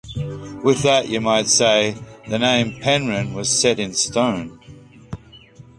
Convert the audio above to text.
With that, you might say, the name "Penryn" was set in stone!